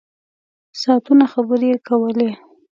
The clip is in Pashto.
ساعتونه خبرې کولې.